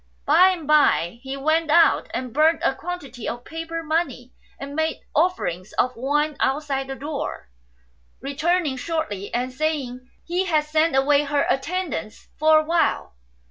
By and by he went out and burnt a quantity of paper money 4 and made offerings of wine outside the door, returning shortly and saying he had sent away her attendants for a while.